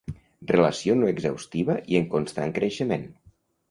Relació no exhaustiva i en constant creixement.